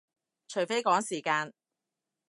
除非趕時間